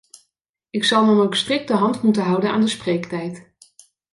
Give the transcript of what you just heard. Ik zal dan ook strikt de hand moeten houden aan de spreektijd.